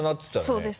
そうです